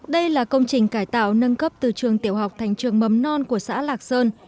đây là công trình cải tạo nâng cấp từ trường tiểu học thành trường mầm non của xã lạc sơn